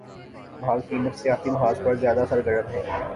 مخالفین نفسیاتی محاذ پر زیادہ سرگرم ہیں۔